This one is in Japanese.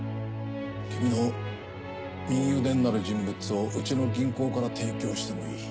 君の右腕になる人物をうちの銀行から提供してもいい。